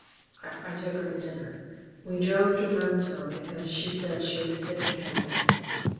I took her to dinner. We drove to Burnsville because she said she was sick of Hamilton.